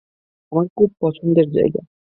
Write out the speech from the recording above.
আমার খুব পছন্দের জায়গা।